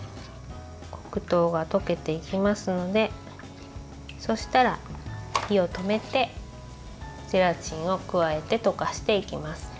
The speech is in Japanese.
黒糖が溶けていきますのでそうしたら火を止めてゼラチンを加えて溶かしていきます。